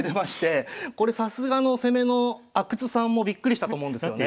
これさすがの攻めの阿久津さんもびっくりしたと思うんですよね。